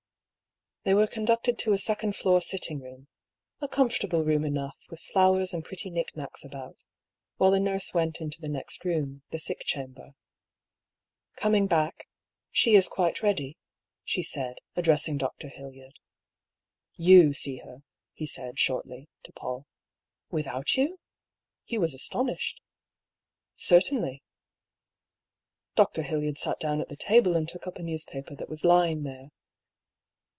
They were conducted to a second fioor sitting room — a comfortable room enough, with fiowers and pretty knick knacks about — while the nurse went into the next room, the sick chamber. Coming back, " She is quite ready," she said, ad dressing Dr. Hildyard. " You see her," he said, shortly, to Paull. " Without you ?" Hugh was astonished. " Certainly." Dr. Hildyard sat down at the table and took up a newspaper that was lying there.